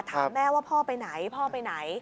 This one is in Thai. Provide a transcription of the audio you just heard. ถามแม่ว่าพ่อไปไหนพ่อไปไหน